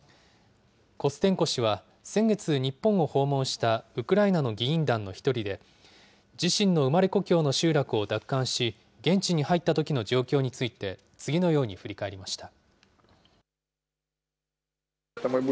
コステンコ氏は先月、日本を訪問したウクライナの議員団の一人で、自身の生まれ故郷の集落を奪還し、現地に入ったときの状況について、次のように振り返りました。